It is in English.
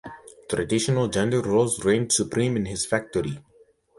Traditional gender roles reigned supreme in his factory.